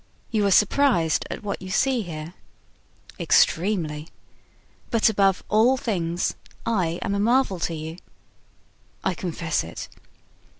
You are surprised at what you see here?" "Extremely." "But above all things, I am a marvel to you?" "I confess it."